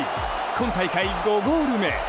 今大会５ゴール目。